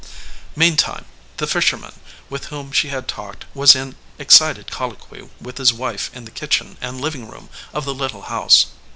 Meantime, the fisherman with whom she had talked was in excited colloquy with his wife in the kitchen and living room of the little house.